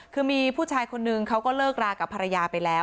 คือมีผู้ชายคนนึงเขาก็เลิกรากับภรรยาไปแล้ว